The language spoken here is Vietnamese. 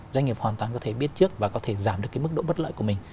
doanh nghiệp hoàn toàn có thể biết trước và có thể giảm được cái mức độ bất lợi của mình